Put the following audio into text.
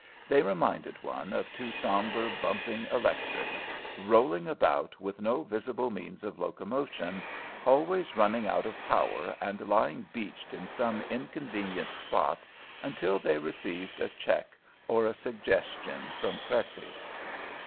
They reminded one of two sombre, bumping electrics, rolling about with no visible means of locomotion, always running out of power and lying beached in some inconvenient spot until they received a check or a suggestion from Cressy.